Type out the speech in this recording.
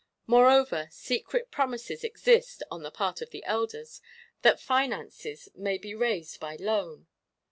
Moreover, secret promises exist (on the part of the Elders), that finances may be raised by Loan.